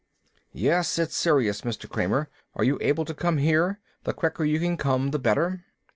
"Yes, it's serious, Mr. Kramer. Are you able to come here? The quicker you can come the better."